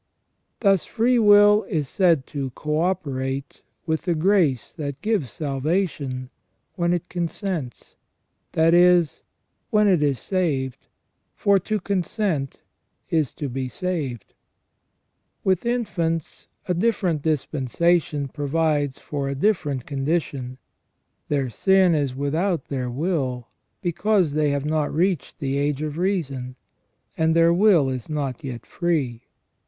Thus free will is said to co operate with the grace that gives salvation, when it consents, that is, when it is saved ; for to consent is to be saved. CREA TION AND PR O VIDE NCR. 1 1 5 With infants a different dispensation provides for a different condition. Their sin is without their will, because they have not reached the age of reason, and their will is not yet free.